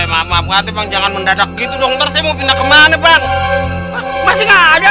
maaf maaf hati hati jangan mendadak gitu dong terus mau pindah ke mana pak masih nggak ada